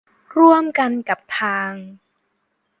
ร่วมกันกับทาง